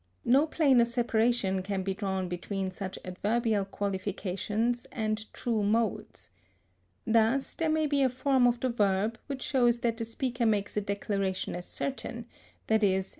No plane of separation can be drawn between such adverbial qualifications and true modes. Thus there may be a form of the verb, which shows that the speaker makes a declaration as certain, _i.e.